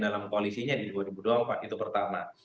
dalam koalisinya di dua ribu dua puluh empat itu pertama